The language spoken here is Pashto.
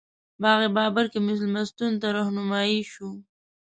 باغ بابر کې مېلمستون ته رهنمایي شوو.